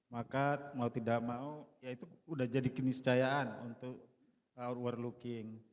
maka mau tidak mau ya itu sudah jadi kini secayaan untuk outward looking